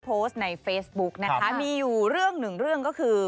โพสต์ในเฟซบุ๊กนะคะมีอยู่เรื่องหนึ่งเรื่องก็คือ